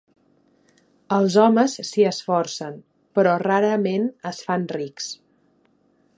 Els homes s'hi esforcen, però rarament es fan rics.